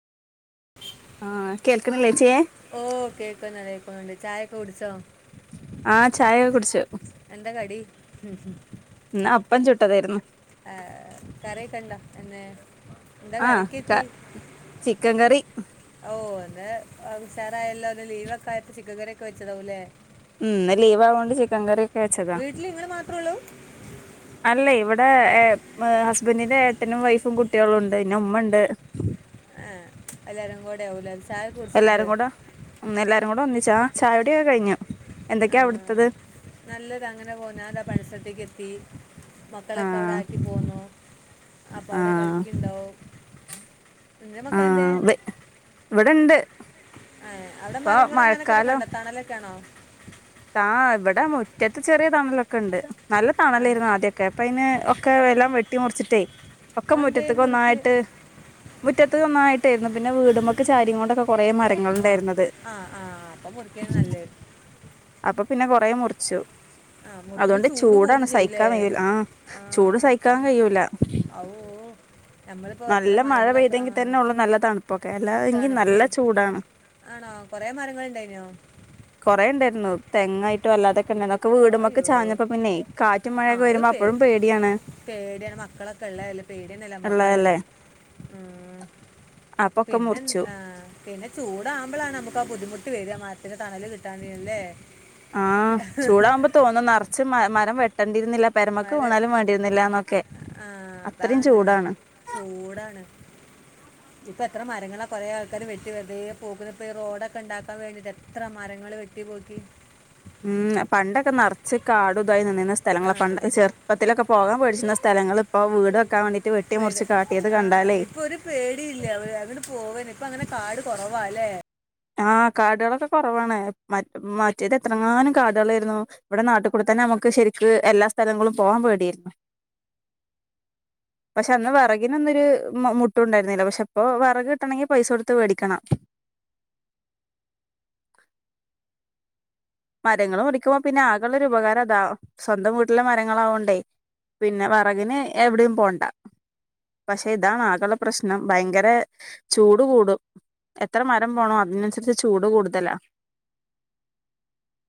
ആഹ് കേൾക്കണില്ലേച്ചേയ് ഓഹ് കേക്കുന്നുണ്ട് കേക്കുന്നുണ്ട് ചായൊക്കെ കുടിച്ചോ? ആഹ് ചായയൊക്കെ കുടിച്ചു എന്താ കടി ഇന്നപ്പം ചുട്ടതായിരുന്നു ഏഹ് കറിയെക്കെണ്ടോ എന്നെ എന്താ കറി ക്കെത്തി ചിക്കൻകറി ഓ എന്ന ഉസാറയല്ലോ ഇന്ന് ലീവ് ഒക്കെ ആയിട്ട് ചിക്കൻ കറിയൊക്കെ വെച്ചതാവൂ ല്ലേ ഉം ഇന്ന് ലീവവൊണ്ട് ചിക്കൻ കറിഒക്കെ വെച്ചതാ വീട്ടിൽ നിങ്ങൾ മാത്രമേ ഉള്ളൂ അല്ല ഇവിടെ ഹസ്ബൻന്റീന്റെ ഏട്ടനും വൈഫും കുട്ടികളും ഉണ്ട് പിന്ന ഉമ്മണ്ട് ആഹ് എല്ലാരുംകൂടിയാവൂലെ എല്ലാരും കൂടെ ഉം എല്ലാരും കൂടെ ഒന്നിച്ചാ ചായൂടിയൊക്കെ കഴിഞ്ഞു ആ എന്തൊക്കെയാ അവിടുത്തത് നല്ലത് അങ്ങനെ പോന ഞാതാ പണി സല്ത്തേക്ക് എത്തി മക്കളൊക്കെ അവിടെ ആഹ് ആക്കി പോന്നു അപ്പ അവിടെ ആഹ് കളിക്കിണ്ടാവും ഇന്റെ മക്കളെന്തെ? ആഹ് ഇവ് ഇവിടെണ്ട് ആഹ് അവിടെ ഇപ്പൊ മരങ്ങളും അങ്ങനെയൊക്കെതെക്കെ ണ്ടോ തണലൊക്കെണോ ആ ഇവിടെ മുറ്റത്ത് ചെറിയ തണലൊക്കെ ണ്ട് നല്ല തണലേരുന്നു ആണ് ആദ്യൊക്കെ അപ്പ അയിന് ഒക്കെ എല്ലാം വെട്ടി മുറിച്ചിട്ടേ ഒക്കെ അതെന്തേ മുറ്റത്തിക്ക് മുറുക്ക് ഒന്നായിട്ട് മുറ്റത്തുന്നായി പിന്നെ വീടുമ്മൊക്കെ ചാരി കൊണ്ടൊക്കെ കൊറേ ആ മരങ്ങളുണ്ടായിരുന്നത് ആ ആ അപ്പൊ മുറിക്കാണ് നല്ലത് അപ്പൊ പിന്നെ കൊറേ മുറിച്ചു ആ മുറിക്കുമ്പോ അതൊണ്ട് ചൂട് ചൂടാണ് കൂടും ചെയ്യൂലേ സഹിക്കാൻ കയൂ ആഹ് ചൂട് സഹിക്കാൻ കയൂല ആവൂ നമ്മളിപ്പോ എത്ര മഴ മരങ്ങളൊക്കെ ആ പെയ്തെങ്കിൽ തന്നെ ഉള്ളു നല്ല തണുപ്പൊക്കെ അല്ല എങ്കിൽ നല്ല തണുപ്പ് ചൂടാണ് ആണോ കൊറേ മരങ്ങളിണ്ടായിനോ കുറെ ഉണ്ടായിരുന്നു തെങ്ങായിട്ടും അല്ലാതൊക്കെ ഉണ്ടായി കേ വീടുമ്മക് അയ്യോ ചാഞ്ഞപ്പോ പിന്നെ ആ കാറ്റുമമഴയൊക്കെ അത് വരുമ്പോ പേ അപ്പോഴും പേടിയാണ് പേടിയാണ് മക്കളൊക്കെള്ള അല്ലെ പേട നിലമൊക്ക ഉള്ളതല്ലേ ആയാലും അപ്പൊക്കെ പിന്നെ മുറിച്ചു ആഹ് പിന്നെ ചൂടാവുമ്പളാണ് നമുക്കാ ആ ബുദ്ധിമുട്ട് വരിക മര്ത്തിന്റെ തണല് കിട്ടാൻല്ലേ ആഹ് ചൂടകുമ്പോ തോന്നും നറച്ച് മ മരം വെട്ടേണ്ടിരുന്നില്ല പെരമക്ക് മര വീണാലും വേണ്ടിയിരുന്നില്ല ന്നൊക്കെ ആ അത്രയും അതാണ് ചൂടാണ് ചൂടാണ് പ്പൾ എത്ര മരങ്ങളാ കൊറെ ആൾക്കാർ വെട്ടി വെർദേ പോകുന്നത് ഇപ്പോ റോഡൊക്കെ ണ്ടാക്കാൻ വേണ്ടിട്ട് എത്ര മരങ്ങള് വെ ട്ടിയ് വാ ക്കി ഉം പണ്ടൊക്കെ നെറച്ച് കാടും ഇതായി നിന്നിരുന്ന ആ സ്ഥലങ്ങള പണ്ടെ ചെർ പ്പത്തിലൊക്കെ പോകാൻ പേട്ച്ചിര്ന്ന സ്ഥലങ്ങള് ഇപ്പോ വീട് വെക്കാൻ വേണ്ടീട്ട് വെട്ടി വീട് മുറിച്ച് കാട്ടിയത് ആ കണ്ടാലേ ഇപ്പം ഒരു പേടിയില്ല അവര് അങ്ങട് പോവാന് ഇപ്പ അങ്ങനെ കാട് കൊറവാ ല്ലേ ആഹ് കാടുകളൊക്കെ കൊറവാണ് മ മറ്റേത് എത്രങ്ങാനും കാടുകളാര്ന്നു ഇവിടെ നാട്ടിൽ കൂടെ തന്നെ നമുക്ക് ശരിക്ക് എല്ലാ സ്ഥലങ്ങളും പോവാൻ പേടിയാര്ന്നു [inaudible] പക്ഷെ അന്ന് വെറകിനൊന്നും ഒരു മു മുട്ട് ഉണ്ടായിരുന്നില്ല പക്ഷെ ഇപ്പൊ വെറക് കിട്ടണെങ്കി പൈസ കൊടുത്ത് വേടിക്കണം മരങ്ങള് മുറിക്കുമ്പോ പിന്നെ ആകെള്ളൊരു ഉപകാരം അതാ സ്വന്തം വീട്ടിലെ മരങ്ങളാവൊണ്ടേ പിന്നെ വെറകിന് എവിടെയും പോണ്ട പക്ഷെ ഇതാണ് ആകെള്ള പ്രശ്നം ഭയങ്കര ചൂട് കൂടും എത്ര മരം പോണോ അതിനനുസരിച്ച് ചൂട് കൂടുതലാ